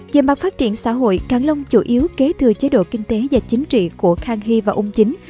về mặt phát triển xã hội càng long chủ yếu kế thừa chế độ kinh tế và chính trị của khang hy và ung chính